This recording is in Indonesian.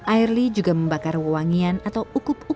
airly juga membakar wangian atau ukup ukuran